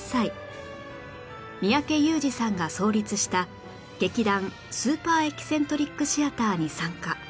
三宅裕司さんが創立した劇団スーパー・エキセントリック・シアターに参加